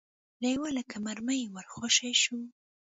لېوه لکه مرمۍ ور خوشې شو.